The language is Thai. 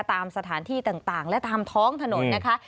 ตามสถานที่ต่างและตามท้องถนนนะคะ